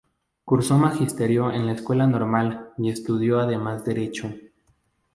Cursó magisterio en la Escuela Normal y estudió además Derecho.